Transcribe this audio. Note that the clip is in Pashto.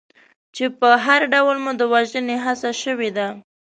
چې په هر ډول مو د وژنې هڅه شوې ده.